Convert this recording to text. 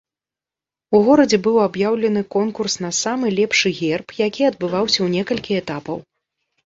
У горадзе быў аб'яўлены конкурс на самы лепшы герб, які адбываўся ў некалькі этапаў.